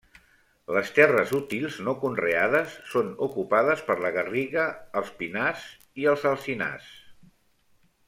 Les terres útils no conreades són ocupades per la garriga, els pinars i els alzinars.